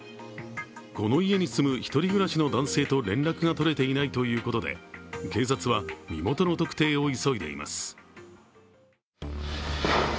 この家に住む１人暮らしの男性と連絡が取れていないということで警察は身元の特定を急いでいます。